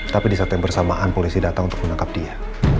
tapi di saat yang bersamaan polisi datang untuk menangkap dia